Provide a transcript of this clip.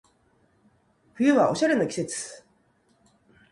冬はおしゃれの季節